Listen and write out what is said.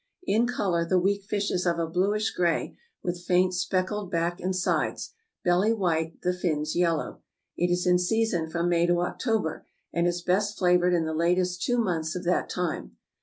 In color the weakfish is of a bluish gray, with faint speckled back and sides, belly white, the fins yellow. It is in season from May to October, and is best flavored in the latest two months of that time.